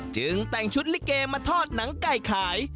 จึงแต่งชุดลิเกมาทอดหนังไก่ขาย